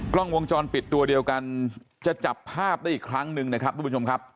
กล้องวงจรปิดตัวเดียวกันจะจับภาพได้อีกครั้งหนึ่งนะครับทุกผู้ชมครับ